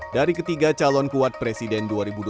dari ketiga calon kuat presiden dua ribu dua puluh